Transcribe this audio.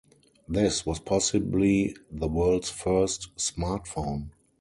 This was possibly the world's first smartphone.